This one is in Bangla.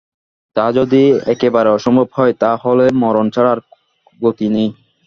তা যদি একেবারে অসম্ভব হয় তা হলে মরণ ছাড়া আর গতিই নেই।